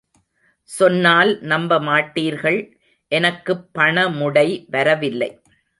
சொன்னால் நம்பமாட்டீர்கள், எனக்குப் பணமுடை வரவில்லை.